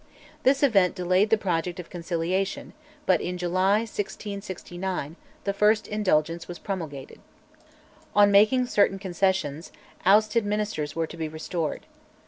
This event delayed the project of conciliation, but in July 1669 the first Indulgence was promulgated. On making certain concessions, outed ministers were to be restored.